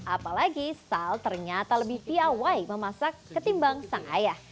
apalagi sal ternyata lebih piawai memasak ketimbang sang ayah